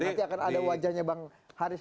nanti akan ada wajahnya bang haris